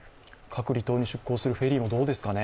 各離島に出航するフェリーもどうですかね。